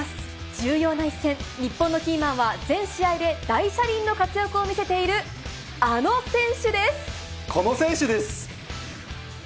重要な一戦、日本のキーマンは全試合で大車輪の活躍を見せている、あの選手でこの選手です。